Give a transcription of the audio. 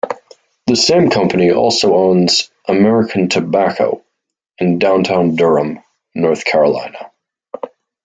The same company also owns American Tobacco in downtown Durham, North Carolina.